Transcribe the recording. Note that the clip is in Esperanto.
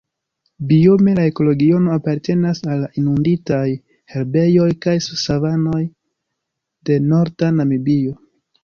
Biome la ekoregiono apartenas al inunditaj herbejoj kaj savanoj de norda Namibio.